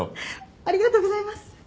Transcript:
ありがとうございます！